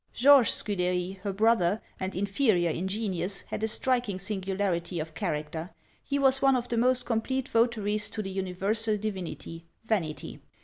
GEORGE SCUDERY, her brother, and inferior in genius, had a striking singularity of character: he was one of the most complete votaries to the universal divinity, Vanity.